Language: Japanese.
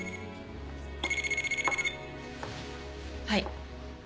はい。